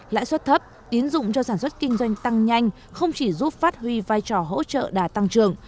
lãi suất thấp tiến dụng cho sản xuất kinh doanh tăng nhanh không chỉ giúp phát huy vai trò hỗ trợ đà tăng trưởng